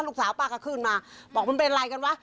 ลูกสาวป้าก็ขึ้นมาบอกมันเป็นอะไรกันวะ